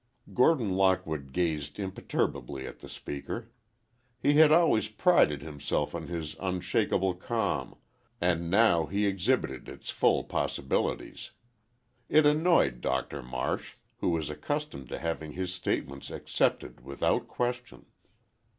Gordon Lockwood gazed imperturbably at the speaker. He had always prided himself on his unshakable calm, and now he exhibited its full possibilities. It annoyed Doctor Marsh, who was accustomed to having his statements accepted without question.